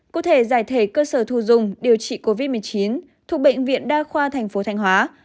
cụ thể giải thể cơ sở thu dùng điều trị covid một mươi chín thuộc bệnh viện đa khoa thành phố thanh hóa